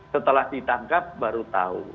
setelah ditangkap baru tahu